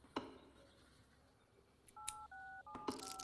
La temporada siguiente sería la mejor de su carrera.